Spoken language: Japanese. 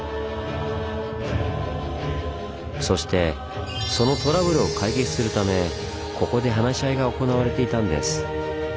そしてそのトラブルを解決するためここで話し合いが行われていたんです。